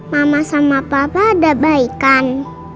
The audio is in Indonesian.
mama sama papa udah baik kan